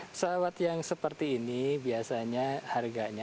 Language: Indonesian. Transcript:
pesawat yang seperti ini biasanya harganya